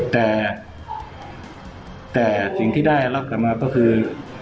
แต่สิ่งที่ได้รับกลับมาก็คือ